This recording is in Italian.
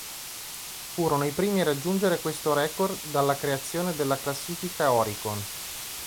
Furono i primi a raggiungere questo record dalla creazione della classifica Oricon.